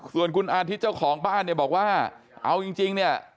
ส่วนคุณอาทิตย์เจ้าของบ้านเนี่ยบอกว่าเอาจริงเนี่ย